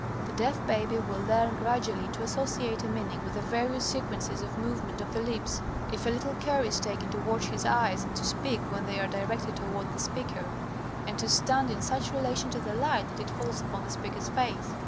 The deaf baby will learn gradually to associate a meaning with the various sequences of movement of the lips, if a little care is taken to watch his eyes and to speak when they are directed toward the speaker, and to stand in such relation to the light that it falls upon the speaker's face.